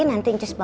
nanti cus bawa